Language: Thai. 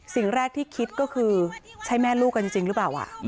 สิ่งแรกที่คิดก็คือใช่แม่ลูกกันจริงหรือเปล่า